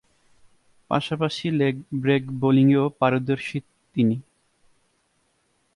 পাশাপাশি leg break বোলিংয়েও পারদর্শী তিনি।